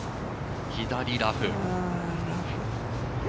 左ラフ。